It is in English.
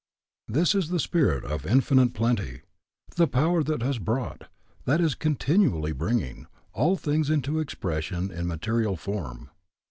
This is the Spirit of Infinite Plenty, the Power that has brought, that is continually bringing, all things into expression in material form.